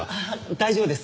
大丈夫です。